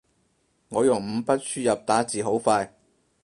我用五筆輸入打字好快